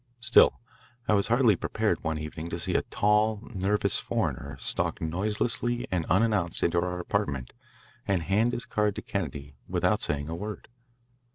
Still, I was hardly prepared one evening to see a tall, nervous foreigner stalk noiselessly and unannounced into our apartment and hand his card to Kennedy without saying a word.